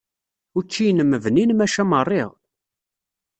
Učči-inem bnin maca meṛṛiɣ.